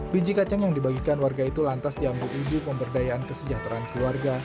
biji kacang yang dibagikan warga itu lantas diambil ibu pemberdayaan kesejahteraan keluarga